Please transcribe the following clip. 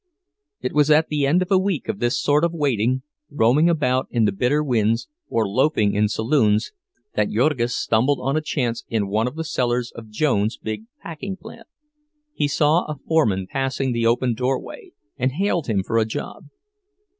It was at the end of a week of this sort of waiting, roaming about in the bitter winds or loafing in saloons, that Jurgis stumbled on a chance in one of the cellars of Jones's big packing plant. He saw a foreman passing the open doorway, and hailed him for a job.